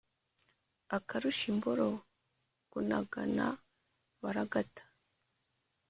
Akarusha imboro kunagana baragata.